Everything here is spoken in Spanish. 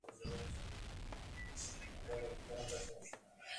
Tuvo a su cargo la dirección del Taller Municipal de Artes Plásticas de Paysandú.